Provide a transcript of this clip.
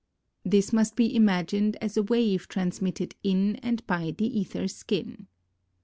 This must be imagined a? a wave transmitted in and by the aether skin.